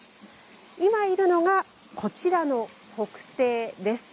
今いるのがこちらの北庭です。